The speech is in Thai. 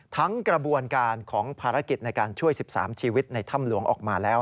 ทั้งกระบวนการของภารกิจในการช่วย๑๓ชีวิตในถ้ำหลวงออกมาแล้ว